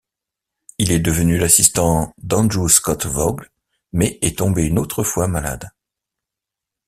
Il est devenu l'assistant d'Andrew Scott Waugh, mais est tombé une autre fois malade.